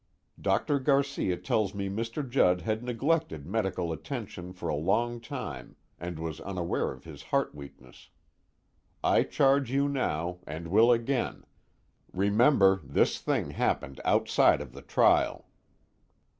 Dr. Garcia tells me Mr. Judd had neglected medical attention for a long time and was unaware of his heart weakness. I charge you now, and will again: remember this thing happened outside of the trial."